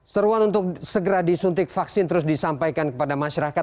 seruan untuk segera disuntik vaksin terus disampaikan kepada masyarakat